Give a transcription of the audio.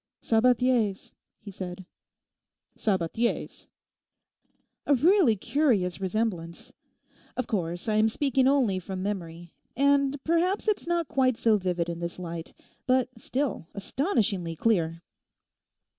'Sabathier's,' he said. 'Sabathier's!' 'A really curious resemblance. Of course, I am speaking only from memory; and perhaps it's not quite so vivid in this light; but still astonishingly clear.